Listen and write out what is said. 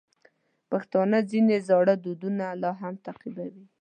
پښتانه ځینې زاړه دودونه لا هم تعقیبوي.